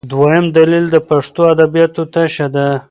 دویم دلیل د پښتو ادبیاتو تشه ده.